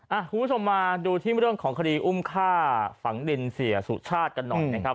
คุณผู้ชมมาดูที่เรื่องของคดีอุ้มฆ่าฝังดินเสียสุชาติกันหน่อยนะครับ